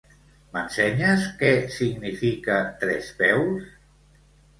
M'ensenyes què significa trespeus?